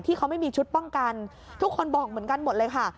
ที่เขาไม่มีชุดป้องกันทุกคนบอกเหมือนกันหมดเลยค่ะ